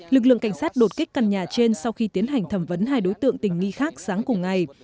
lực lượng cảnh sát đột kích căn nhà trên sau khi tiến hành thẩm vấn hai đối tượng tình nghi khác sáng cùng ngày